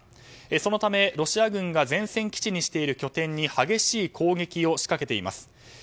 そのため、ロシア軍が前線基地にしている拠点に激しい攻撃を仕掛けています。